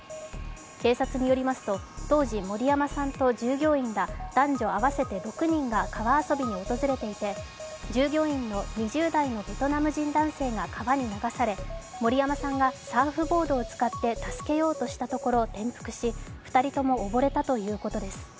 警察によりますと当時、森山さんと従業員ら男女合わせて６人が川遊びに訪れていて、従業員の２０代のベトナム人男性が川に流され、森山さんがサーフボードを使って助けようとしたところ転覆し２人とも溺れたということです。